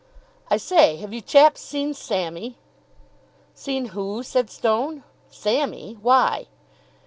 "I say, have you chaps seen Sammy?" "Seen who?" said Stone. "Sammy? Why?"